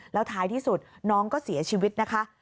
แล้วท้ายที่สุดน้องก็เสียชีวิตนะคะ